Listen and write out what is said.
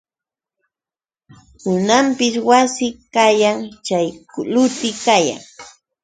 Kananpis wasi kayan chay luti kayan.